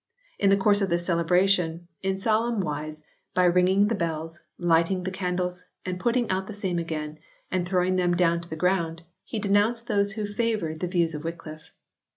In the course of this celebration, "in solemn wise, by ringing the bells, lighting the candles and putting out the same again, and throwing them down to the ground," he denounced those who favoured the views of Wycliffe.